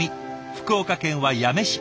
福岡県は八女市。